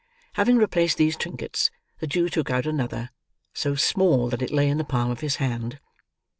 Having replaced these trinkets, the Jew took out another: so small that it lay in the palm of his hand.